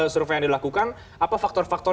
survei yang dilakukan apa faktor faktor